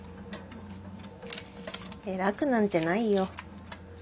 偉くなんてないよ。